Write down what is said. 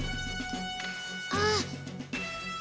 ああ。